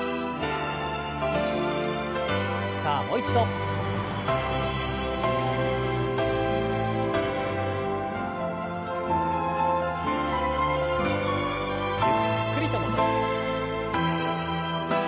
さあもう一度。ゆっくりと戻して。